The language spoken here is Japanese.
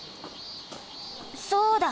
そうだ！